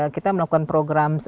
kita melakukan program